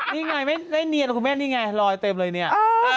นี่ไงไม่ได้เนียนนะคุณแม่นี่ไงลอยเต็มเลยเนี่ย